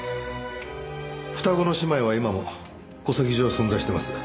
双子の姉妹は今も戸籍上存在してます。